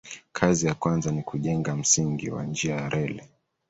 Kazi ya kwanza ni kujenga msingi wa njia ya reli.